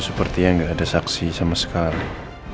sepertinya nggak ada saksi sama sekali